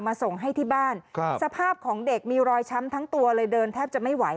ส่งให้ที่บ้านครับสภาพของเด็กมีรอยช้ำทั้งตัวเลยเดินแทบจะไม่ไหว